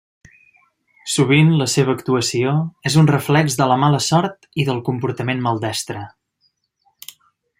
Sovint la seva actuació és un reflex de la mala sort i del comportament maldestre.